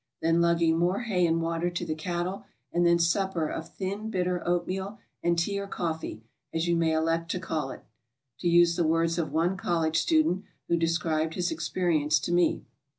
Then lugging more hay and water to the cattle and then supper of "thin, bitter oatmeal and tea or coffee, as you may elect to call it," to use the words of one college student who de scribed his experience to me.